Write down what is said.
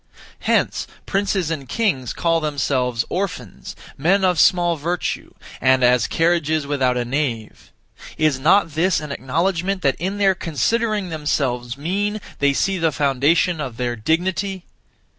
Hence princes and kings call themselves 'Orphans,' 'Men of small virtue,' and as 'Carriages without a nave.' Is not this an acknowledgment that in their considering themselves mean they see the foundation of their dignity?